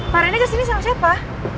pak rena kesini sama siapa